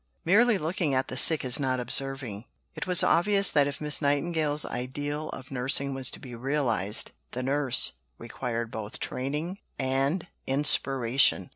"Merely looking at the sick is not observing." It was obvious that if Miss Nightingale's ideal of nursing was to be realized, the nurse required both training and inspiration.